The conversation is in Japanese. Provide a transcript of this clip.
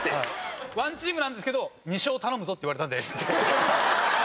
ワンチームなんですけど２勝頼むぞって言われたんで。